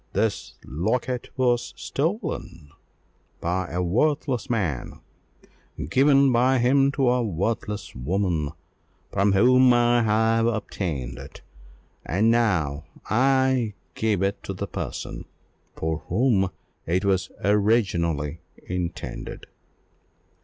This locket was stolen by a worthless man, given by him to a worthless woman, from whom I have obtained it; and now I give it to the person for whom it was originally destined."